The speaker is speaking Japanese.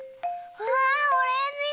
うわオレンジだ！